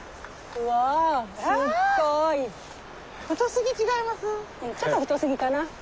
うんちょっと太すぎかな。